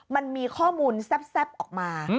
มันมีข้อมูลแซ่บออกมา